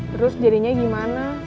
terus jadinya gimana